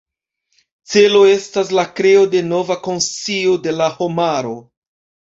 Celo estas la kreo de nova konscio de la homaro.